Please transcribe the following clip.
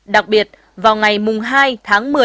đặc biệt vào ngày hai tháng một mươi